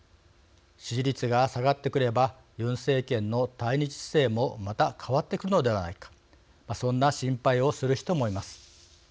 支持率が下がってくればユン政権の対日姿勢もまた変わってくのではないかそんな心配をする人もいます。